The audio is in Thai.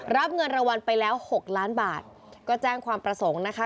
รับเงินรางวัลไปแล้วหกล้านบาทก็แจ้งความประสงค์นะคะ